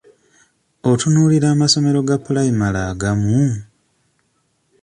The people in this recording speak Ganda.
Otunuulira amasomero ga pulayimale agamu?